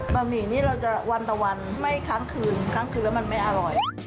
หมี่นี่เราจะวันต่อวันไม่ครั้งคืนครั้งคืนแล้วมันไม่อร่อย